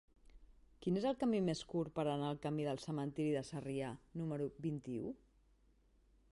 Quin és el camí més curt per anar al camí del Cementiri de Sarrià número vint-i-u?